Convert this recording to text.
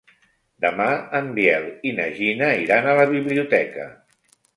Demà en Biel i na Gina iran a la biblioteca.